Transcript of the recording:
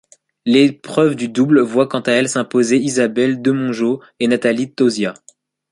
L'épreuve de double voit quant à elle s'imposer Isabelle Demongeot et Nathalie Tauziat.